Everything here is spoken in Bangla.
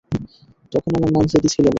তখন আমার নাম জেডি ছিল না।